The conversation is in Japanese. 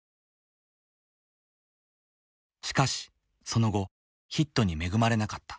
しかしその後ヒットに恵まれなかった。